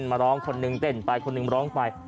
มาร้องคนนึงเต้นไปคนหนึ่งร้องไป